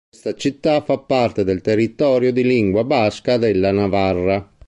Questa città fa parte del territorio di lingua basca della Navarra.